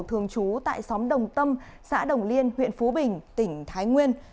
thường trú tại xóm đồng tâm xã đồng liên huyện phú bình tỉnh thái nguyên